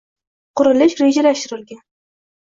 qurilish rejalashtirilgan